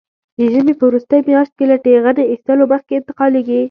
د ژمي په وروستۍ میاشت کې له ټېغنې ایستلو مخکې انتقالېږي.